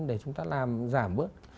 để chúng ta làm giảm bước